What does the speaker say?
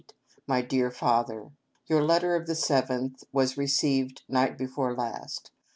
"My Dear Father :" Your letter of the 7th was received night before last.